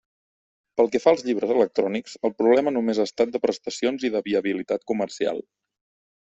Pel que fa als llibres electrònics el problema només ha estat de prestacions i de viabilitat comercial.